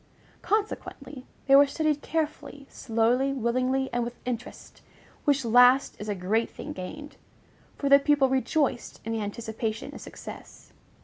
Consequently, they were studied carefully, slowly, willingly, and with interest, which last is a great thing gained; for the pupil rejoiced in the anticipation of success.